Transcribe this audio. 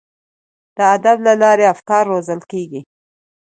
د ادب له لارې افکار روزل کیږي.